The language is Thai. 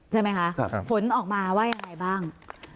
ใช่ไหมคะผลออกมาว่ายังไงบ้าง